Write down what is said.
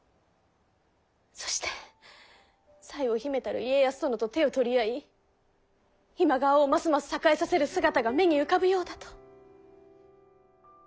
そして才を秘めたる家康殿と手を取り合い今川をますます栄えさせる姿が目に浮かぶようだと。